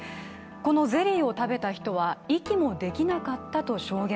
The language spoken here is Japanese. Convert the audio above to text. このゼリーを食べた人は息もできなかったと証言。